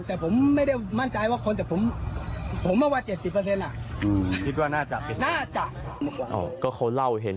แต่ครับในแบบในสิ่งที่สิ่งที่เขาเห็น